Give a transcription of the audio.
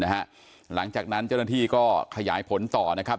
หลังจากนั้นเจ้าหน้าที่ก็ขยายผลต่อนะครับ